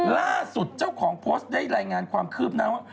ล่าสุดเจ้าของโพสต์ได้รายงานความคืบหน้าว่า